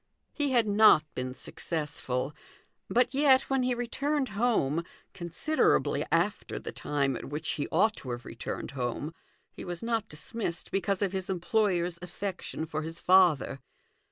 He had not been successful, but yet, when he returned home (considerably after the time at which he ought to have returned home) he was not dismissed because of his employer's affection for his father.